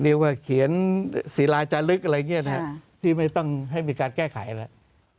เรียกว่าเขียนศิลาจาลึกอะไรอย่างนี้นะฮะที่ไม่ต้องให้มีการแก้ไขแล้ว